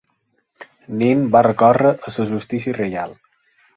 Nin va recórrer a la justícia reial.